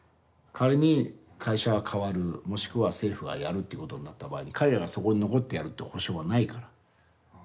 仮に会社が変わるもしくは政府がやるってことになった場合に彼らがそこに残ってやるっていう保証はないから。